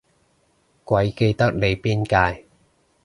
鬼記得你邊屆